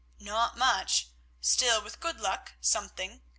"Not much, still, with good luck, something.